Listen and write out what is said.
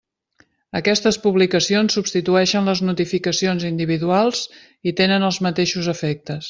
Aquestes publicacions substitueixen les notificacions individuals i tenen els mateixos efectes.